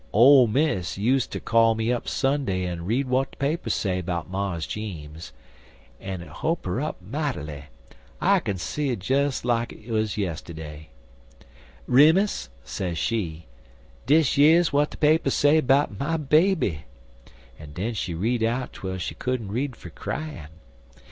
Ole Miss useter call me up Sunday en read w'at de papers say 'bout Mars Jeems, en it ho'p 'er up might'ly. I kin see 'er des like it 'uz yistiddy. "'Remus,' sez she, 'dish yer's w'at de papers say 'bout my baby,' en den she'd read out twel she couldn't read fer cryin'.